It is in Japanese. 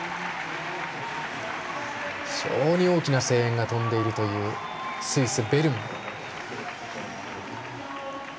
非常に大きな声援が飛んでいるというスイス・ベルン。